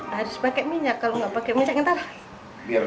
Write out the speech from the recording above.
harus pakai minyak kalau nggak pakai minyak ntar